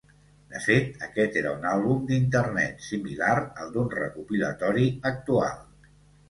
De fet, aquest era un àlbum d'Internet, similar al d'un recopilatori actual.